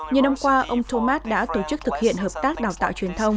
nhiều năm qua ông thomas đã tổ chức thực hiện hợp tác đào tạo truyền thông